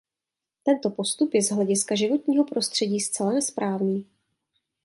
Tento postup je z hlediska životního prostředí zcela nesprávný.